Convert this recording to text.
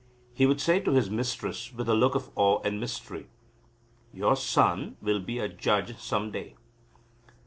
He would say to his mistress with a look of awe and mystery: "Your son will be a judge some day."